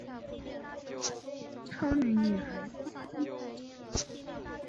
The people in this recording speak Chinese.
超能女孩。